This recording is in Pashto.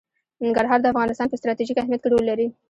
ننګرهار د افغانستان په ستراتیژیک اهمیت کې رول لري.